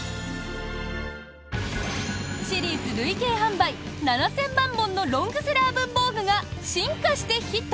シリーズ累計販売７０００万本のロングセラー文房具が進化してヒット。